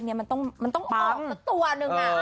ดีอยู่